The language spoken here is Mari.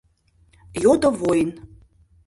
— йодо воин.